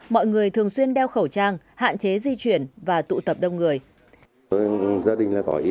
mọi người thường xuyên đeo khẩu trang hạn chế di chuyển và tụ tập đông người